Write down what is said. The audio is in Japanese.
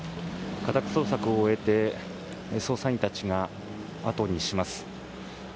家宅捜索を終えて、捜査員たちがあとにします。